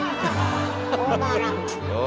オーバーラップ。